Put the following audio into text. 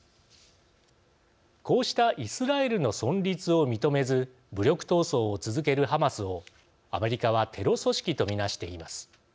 こうしたイスラエルの存立を認めず武力闘争を続けるハマスをアメリカはテロ組織と見なしています。